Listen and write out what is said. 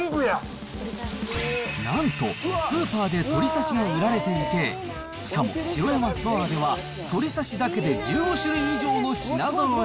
なんと、スーパーで鳥刺しが売られていて、しかも、城山ストアーでは鳥刺しだけで１５種類以上の品ぞろえ。